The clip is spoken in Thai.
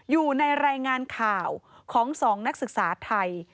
อยู่ในรายงานข่าวของ๒นักศึกษาไทย